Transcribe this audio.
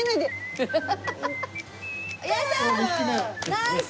ナイス！